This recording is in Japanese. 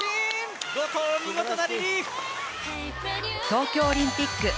東京オリンピック。